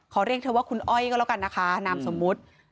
เรียกเธอว่าคุณอ้อยก็แล้วกันนะคะนามสมมุติ